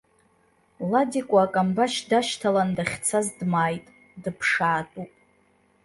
Ладикәа акамбашь дашьҭалан дахьцаз дмааит, дыԥшаатәуп.